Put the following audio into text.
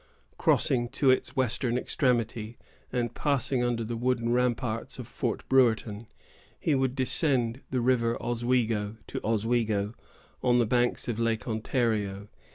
Crossing to its western extremity, and passing under the wooden ramparts of Fort Brewerton, he would descend the River Oswego to Oswego, on the banks of Lake Ontario.